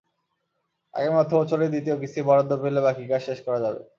আগামী অর্থবছরে দ্বিতীয় কিস্তির বরাদ্দ পেলে বাকি কাজ শেষ করা যাবে।